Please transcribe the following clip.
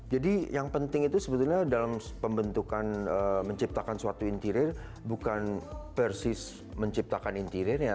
jadi yang penting itu sebetulnya dalam pembentukan menciptakan suatu interior bukan persis menciptakan interiornya